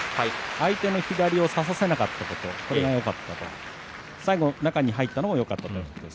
相手の左を差させなかったことこれがよかった最後、中に入ったことがよかったということです。